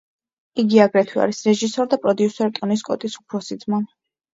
იგი აგრეთვე არის რეჟისორ და პროდიუსერ ტონი სკოტის უფროსი ძმა.